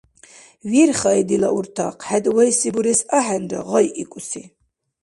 — Вирхаи, дила уртахъ, хӏед вайси бурес ахӏенра гъайикӏуси…